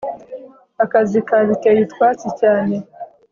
akazi kabiteye utwatsi cyane